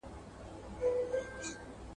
که ته غواړې ښه څېړونکی سې نو ډېر ولیکه.